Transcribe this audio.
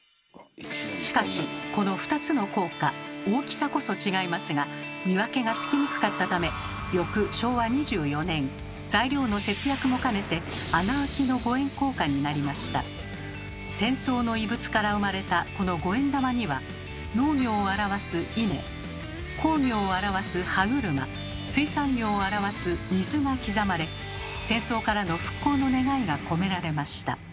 しかしこの２つの硬貨大きさこそ違いますが見分けがつきにくかったため翌昭和２４年材料の節約も兼ねて戦争の遺物から生まれたこの五円玉には農業を表す「稲」工業を表す「歯車」水産業を表す「水」が刻まれ戦争からの復興の願いが込められました。